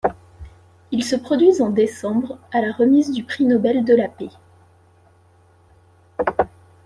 Ils se produisent en décembre à la remise du prix Nobel de la paix.